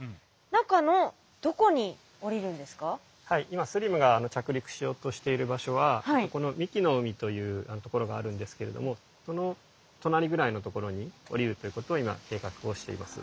今ＳＬＩＭが着陸しようとしている場所はこの神酒の海というところがあるんですけれどもその隣ぐらいのところに降りるということを今計画をしています。